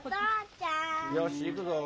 よしいくぞ。